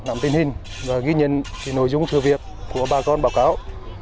làm tin hình và ghi nhận nội dung sự việc của bà con báo cáo